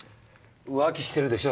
浮気してるでしょ？